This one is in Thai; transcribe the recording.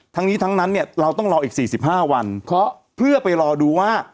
ทั้งนี้ทั้งนั้นเนี่ยเราต้องรออีก๔๕วันเพื่อไปรอดูว่า